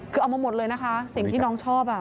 คือเอามาหมดเลยนะคะสิ่งที่น้องชอบ